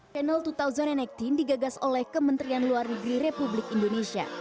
panel dua ribu delapan belas digagas oleh kementerian luar negeri republik indonesia